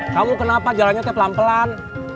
kamu kenapa jalannya tep lampelan